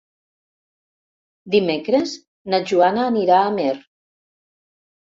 Dimecres na Joana anirà a Amer.